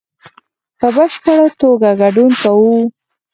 په بشپړ توګه ګډون کوو